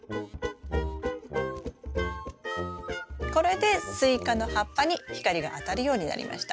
これでスイカの葉っぱに光が当たるようになりました。